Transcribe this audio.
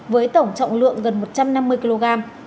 với tổng trọng lượng gần một trăm năm mươi kg